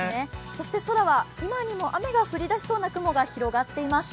空は今にも雨が降り出しそうな雲が広がっています。